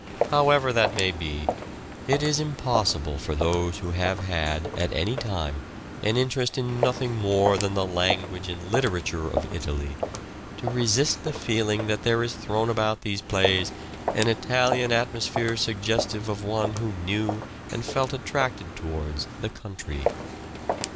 However that may be, it is impos sible for those who have had, at any time, an interest in nothing more than the language and literature of Italy, to resist the feeling that there is thrown about these plays an Italian atmosphere suggestive of one who knew and felt attracted towards the country.